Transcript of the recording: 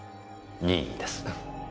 任意です。